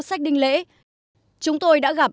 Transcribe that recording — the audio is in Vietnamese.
sách đinh lễ chúng tôi đã gặp